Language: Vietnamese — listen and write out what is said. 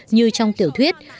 như trong tiểu thuyết